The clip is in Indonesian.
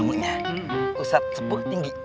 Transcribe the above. usat sepuluh tinggi